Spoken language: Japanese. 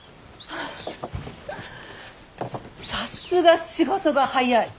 さすが仕事が早い！